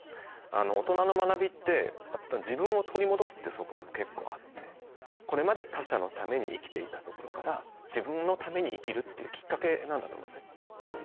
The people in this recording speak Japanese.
大人の学びって自分を取り戻すという側面も結構あってこれまで他者のために生きていたところから自分のために生きるというきっかけなんだと思うんですね。